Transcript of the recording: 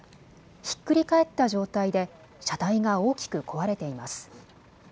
ひっくり返った状態で車体が大きく壊れています。